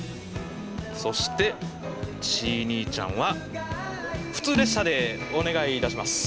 そしてチイ兄ちゃんは普通列車でお願いいたします。